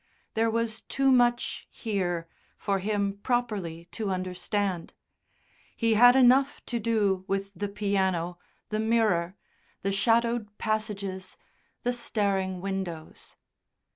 There was too much here for him properly to understand; he had enough to do with the piano, the mirror, the shadowed passages, the staring windows.